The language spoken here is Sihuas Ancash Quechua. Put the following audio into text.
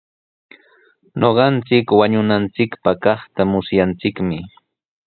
Ñuqanchik wañushunpaq kaqta musyanchikmi.